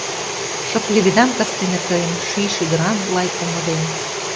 Шып леведам кастене тыйым, ший шӱдыран лай омо ден.